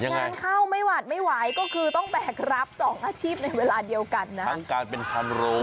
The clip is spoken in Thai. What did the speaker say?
งานเข้าไม่หวัดไม่ไหวก็คือต้องแบกรับสองอาชีพในเวลาเดียวกันนะทั้งการเป็นพันโรง